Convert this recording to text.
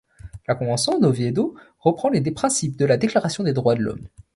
La Convention d’Oviedo reprend les principes de la Déclaration des Droits de l’Homme.